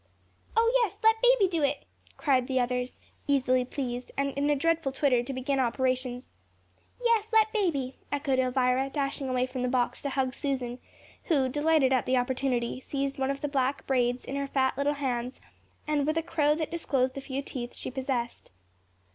"Oh, yes, let baby do it," cried the others, easily pleased, and in a dreadful twitter to begin operations. "Yes, let baby," echoed Elvira, dashing away from the box to hug Susan, who, delighted at the opportunity, seized one of the black braids in her fat little hands, with a crow that disclosed the few teeth she possessed.